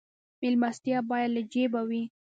میلمستیا باید له جیبه وي